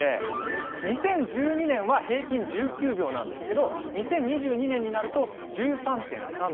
２０１２年は平均１９秒なんですけど２０２２年になると１３．３秒。